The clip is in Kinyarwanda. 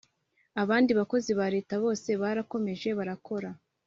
Abandi bakozi ba Leta bose barakomeje barakora